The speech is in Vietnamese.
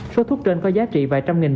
số thuốc trên có giá trị vài trăm nghìn